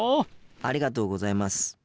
ありがとうございます。